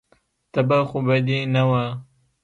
تبه خو به دې نه وه.